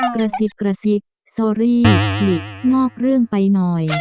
กรสิดกรสิดสอรี่หนิงอกเรื่องไปหน่อย